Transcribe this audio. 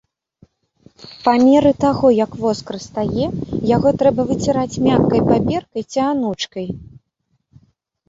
Па меры таго як воск растае, яго трэба выціраць мяккай паперкай ці анучкай.